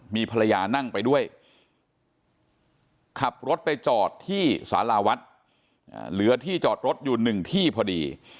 มีภรรยานั่งไปด้วยขับรถไปจอดที่สาราวัดเหลือที่จอดรถอยู่๑ที่พอดี